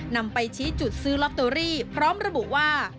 นำไปชี้จุดซื้อลอตเตอรี่พร้อมระบุว่า